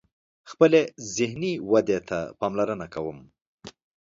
خپلی ذهنی ودي ته پاملرنه کوم